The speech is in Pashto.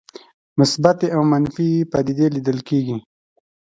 مثبتې او منفي پدیدې لیدل کېږي.